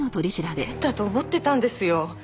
変だと思ってたんですよ。